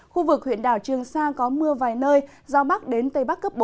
khu vực huyện đảo trường sa có mưa vài nơi gió bắc đến tây bắc cấp bốn